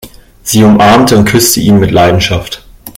Sie umarmte und küsste ihn mit Leidenschaft.